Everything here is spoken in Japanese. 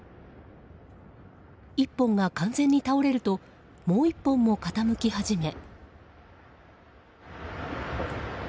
１本が完全に倒れるともう１本も傾き始め。